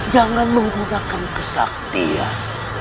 jangan menggunakan kesaktian